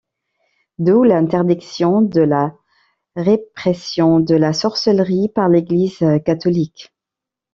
D'où l'interdiction de la répression de la sorcellerie par l’Église catholique.